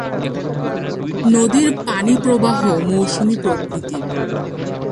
নদীর পানিপ্রবাহ মৌসুমি প্রকৃতির।